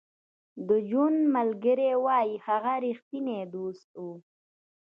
د جون ملګري وایی هغه رښتینی دوست و